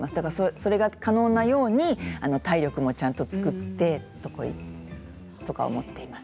それが可能なように体力もちゃんと作ってと思っています。